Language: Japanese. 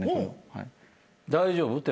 大丈夫？